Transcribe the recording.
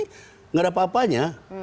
tidak ada apa apanya